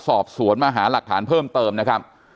สอบสวนมาหาหลักฐานเพิ่มเติมนะครับ